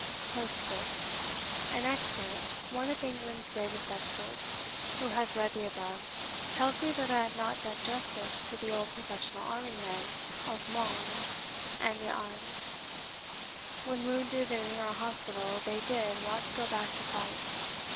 Postscript. An expert one of England's greatest experts who has read the above tells me that I have not done justice to the old professional army men of Mons and the Aisne. When wounded and in our hospital they did want to go back to fight.